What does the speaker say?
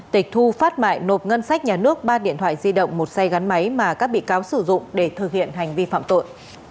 tịch thu phát mại nộp ngân sách nhà nước ba điện thoại di động một xe gắn máy mà các bị cáo sử dụng để thực hiện hành vi phạm tội